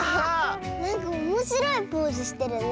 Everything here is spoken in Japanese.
なんかおもしろいポーズしてるね。